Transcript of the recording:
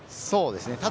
そうですね。